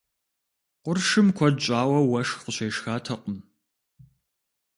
Къуршым куэд щӏауэ уэшх къыщешхатэкъым.